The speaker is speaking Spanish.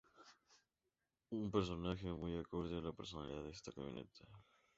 Un personaje muy acorde a la personalidad de esta camioneta.